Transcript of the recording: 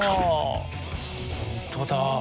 本当だ。